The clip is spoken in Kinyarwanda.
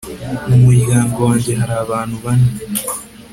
mu muryango wanjye hari abantu bane